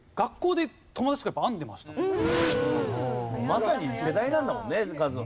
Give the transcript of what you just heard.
まさに世代なんだもんねカズ。